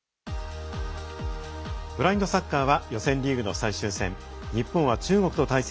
ブラインドサッカーは予選リーグの最終戦。